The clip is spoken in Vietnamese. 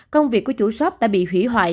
công việc của chủ shop đã bị hủy hoại